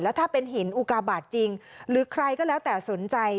ถ้าเป็นหินอุกาบาทจริงหรือใครก็แล้วแต่สนใจ